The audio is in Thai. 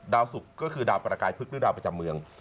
ศุกร์ก็คือดาวประกายพฤกษ์ดาวประจำเมือง